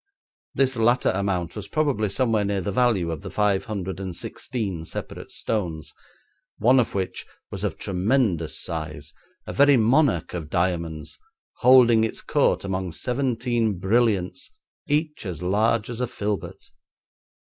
This latter amount was probably somewhere near the value of the five hundred and sixteen separate stones, one of which was of tremendous size, a very monarch of diamonds, holding its court among seventeen brilliants each as large as a filbert.